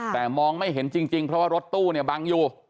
แต่มองไม่เห็นจริงเพราะว่ารถตู้เนี่ยบังอยู่